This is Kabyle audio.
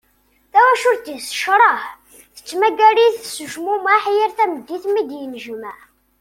Tawacult-is tecreh, tettmagar-it s ucmumeḥ yal tameddit mi d-yennejmaɛ.